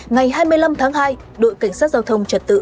ngày hai mươi năm tháng hai đội cảnh sát giao thông trật tự